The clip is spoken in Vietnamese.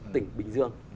tỉnh bình dương